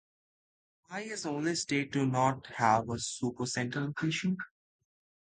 Hawaii is the only state to not have a Supercenter location.